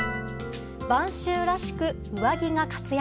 晩秋らしく上着が活躍。